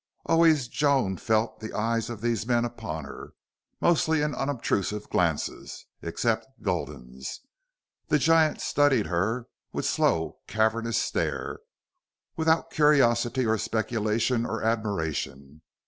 Always Joan felt the eyes of these men upon her, mostly in unobtrusive glances, except Gulden's. The giant studied her with slow, cavernous stare, without curiosity or speculation or admiration.